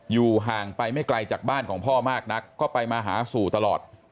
อยู่ห่างไปไม่ไกลจากบ้านของพ่อมากนักก็ไปมาหาสู่ตลอด